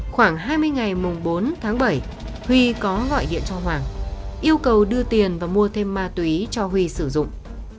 khoảng hai mươi ngày bốn tháng bảy huy có gọi điện cho hoàng yêu cầu đưa tiền và mua thêm ma túy cho huy sử dụng